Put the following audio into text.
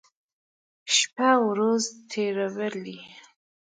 شپې ورځې تېرولې.